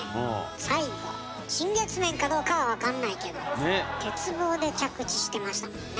最後新月面かどうかは分かんないけど鉄棒で着地してましたもんね。